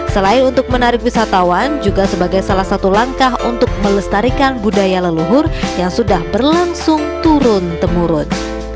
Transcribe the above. selain untuk menarik wisatawan juga sebagai salah satu langkah untuk melestarikan budaya leluhur yang sudah berlangsung turun temurun